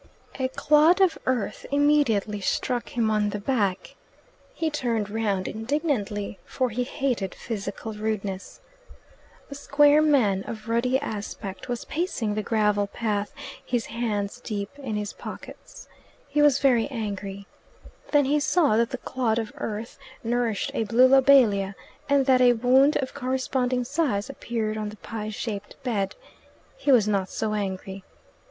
A clod of earth immediately struck him on the back. He turned round indignantly, for he hated physical rudeness. A square man of ruddy aspect was pacing the gravel path, his hands deep in his pockets. He was very angry. Then he saw that the clod of earth nourished a blue lobelia, and that a wound of corresponding size appeared on the pie shaped bed. He was not so angry.